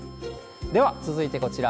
では、続いてこちら。